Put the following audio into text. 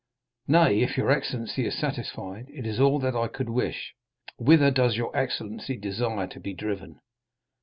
"Nay, if your excellency is satisfied, it is all that I could wish. Whither does your excellency desire to be driven?"